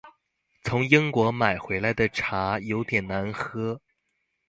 從英國買回來的茶有點難喝